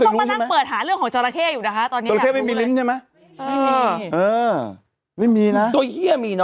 เฮ่ยเดี๋ยว